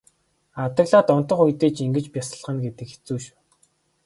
Адаглаад унтах үедээ ч ингэж бясалгана гэдэг хэцүү.